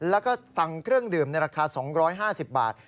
แล้วก็สั่งเครื่องดื่มในราคา๒๕๐บาท